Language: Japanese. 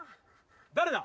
誰だ？